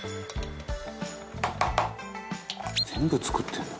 「全部作ってるんだ。